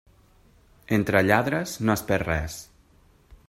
Entre lladres no es perd res.